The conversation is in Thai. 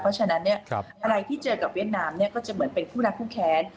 เพราะฉะนั้นเนี่ยอะไรที่เจอกับเวียดนามเนี่ยก็จะเหมือนเป็นคู่รักคู่แค้น